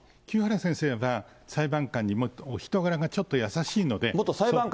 清原先生が、裁判官のお人柄がちょっと優しいので。